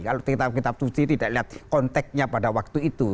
kalau kita menaksir kitab suci tidak melihat konteksnya pada waktu itu